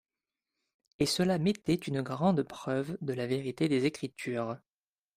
Et celà m'était une grande preuve de la vérité des Écritures.